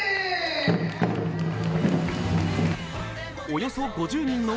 およそ５０人の